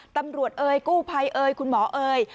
ตำรวจเอ้ยกู้ภัยเอ้ยคุณหมอเอ้ย